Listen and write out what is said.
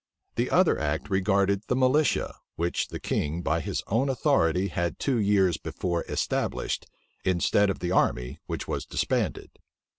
The other act regarded the militia, which the king by his own authority had two years before established, instead of the army which was disbanded.